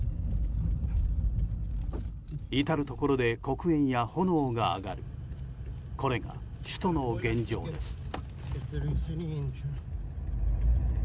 至るところで黒煙や炎が上がるこれが首都の現状です。